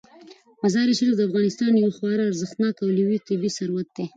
مزارشریف د افغانستان یو خورا ارزښتناک او لوی طبعي ثروت دی.